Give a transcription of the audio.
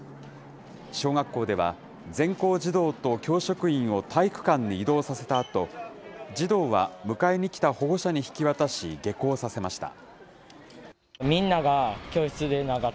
小学校では、全校児童と教職員を体育館に移動させたあと、児童は迎えに来た保護者に引き渡し、下校させました。